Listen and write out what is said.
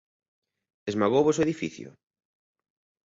Esmagouvos o edificio?